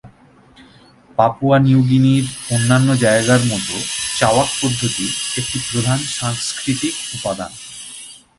Papua New গিনির অন্যান্য জায়গার মতো, চাওয়াক পদ্ধতি একটি প্রধান সাংস্কৃতিক উপাদান।